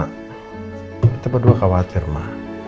kita berdua khawatir ma